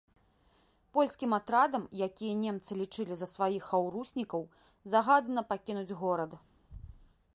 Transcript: Польскім атрадам, якія немцы лічылі за сваіх хаўруснікаў, загадана пакінуць горад.